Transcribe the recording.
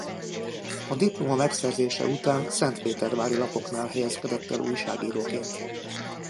A diploma megszerzése után szentpétervári lapoknál helyezkedett el újságíróként.